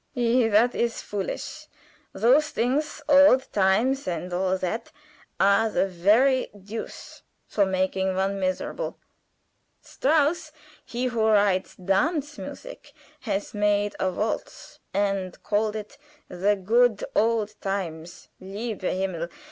"Ei! That is foolish. Those things old times and all that are the very deuce for making one miserable. Strauss he who writes dance music has made a waltz, and called it 'The Good Old times.' _Lieber Himmel!